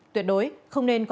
tuyệt đối không nên có